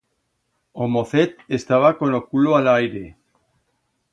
O mocet estaba con o culo a l'aire.